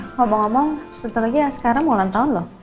ngomong ngomong sebentar lagi ya sekarang mau ulang tahun loh